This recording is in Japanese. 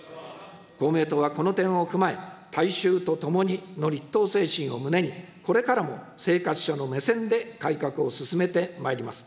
公明党はこの点を踏まえ、「大衆とともに」の立党精神を胸に、これからも生活者の目線で改革を進めてまいります。